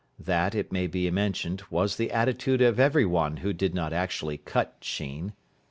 That, it may be mentioned, was the attitude of every one who did not actually cut Sheen.